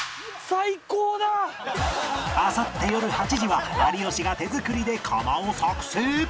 あさってよる８時は有吉が手作りで窯を作成！